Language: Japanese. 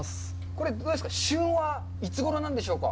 これ、どうですか、旬はいつごろなんでしょうか。